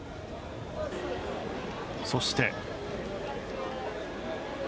そして。